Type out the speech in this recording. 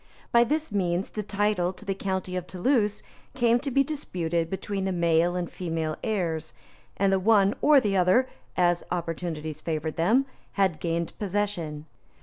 By this means the title to the county of Toulouse came to be disputed between the male and female heirs; and the one or the other, as opportunities favored them, had obtained possession.